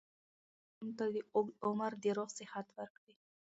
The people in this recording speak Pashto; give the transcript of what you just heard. د ټولو پلانونو ته اوږد عمر د روغ صحت ورکړي